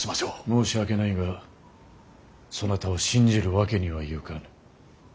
申し訳ないがそなたを信じるわけにはゆかぬ。